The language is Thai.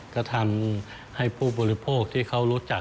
ก็ทำให้ผู้บริโภคที่เขารู้จัก